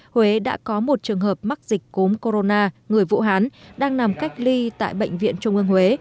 huế đã có một trường hợp mắc dịch cốm corona người vũ hán đang nằm cách ly tại bệnh viện trung ương huế